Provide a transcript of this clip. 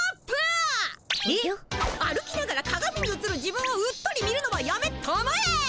歩きながらかがみにうつる自分をうっとり見るのはやめたまえ。